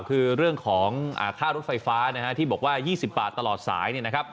คือเรื่องของค่ารถไฟฟ้าที่บอกว่า๒๐บาทตลอดสาย